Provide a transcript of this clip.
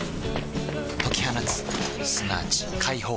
解き放つすなわち解放